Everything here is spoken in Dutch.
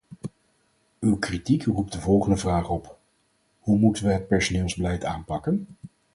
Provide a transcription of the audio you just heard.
Uw kritiek roept de volgende vraag op: hoe moeten we het personeelsbeleid aanpakken?